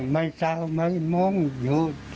ไม่ตาไมนมองอยู่